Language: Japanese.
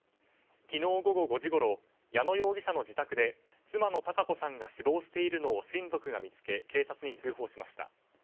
昨日午後５時ごろ矢野容疑者の自宅で妻の堯子さんが死亡しているのを親族が見つけ警察に通報しました。